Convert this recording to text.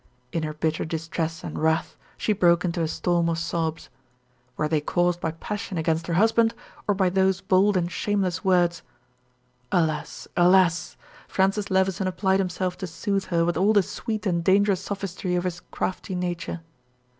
In her bitter distress and wrath, she broke into a storm of sobs. Were they caused by passion against her husband, or by those bold and shameless words? Alas! Alas! Francis Levison applied himself to soothe her with all the sweet and dangerous sophistry of his crafty nature.